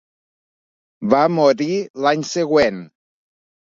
Va morir l'any següent.